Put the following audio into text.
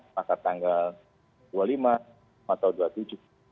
maka tanggal dua puluh lima atau dua puluh tujuh